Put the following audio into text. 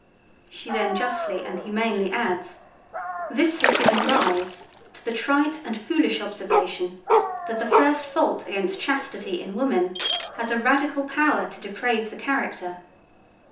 She then justly and humanely adds This has given rise to the trite and foolish observation, that the first fault against chastity in woman has a radical power to deprave the character.